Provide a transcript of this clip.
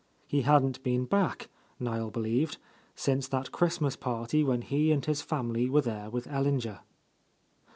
He hadn't been back, Niel believed, since that Christmas party when he and his family were there with Ellinger.